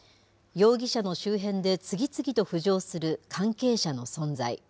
容疑者の周辺で次々と浮上する関係者の存在。